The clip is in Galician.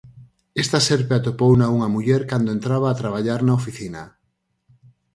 Esta serpe atopouna unha muller cando entraba a traballar na oficina.